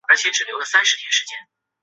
是一个成人游戏软体的企业联合组织。